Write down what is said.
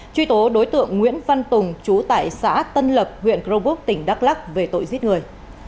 truy tố đối tượng nguyễn văn tùng chú tại xã tân lập huyện crobuk tỉnh đắk lắc về tội giết người